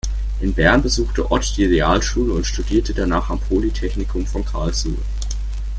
In Bern besuchte Ott die Realschule und studierte danach am Polytechnikum von Karlsruhe.